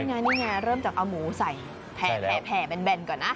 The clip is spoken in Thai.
นี่ไงนี่ไงเริ่มจากเอาหมูใส่แผ่แบนก่อนนะ